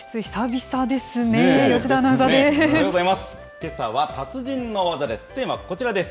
けさは達人の技です。